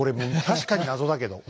確かに謎だけど。